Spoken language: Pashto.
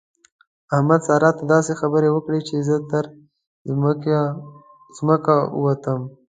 احمد؛ سارا ته داسې خبرې وکړې چې زه تر ځمکه ووتم.